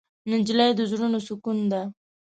نجلۍ د زړونو سکون ده.